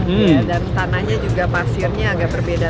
dan tanahnya juga pasirnya agak berbeda